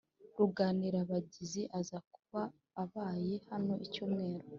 Ruganirabaganizi azaza kuba abaye hano icyumweru